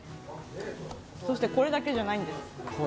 そして、これだけじゃないんです。